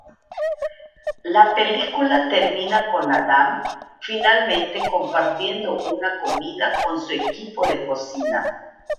La película termina con Adam finalmente compartiendo una comida con su equipo de cocina.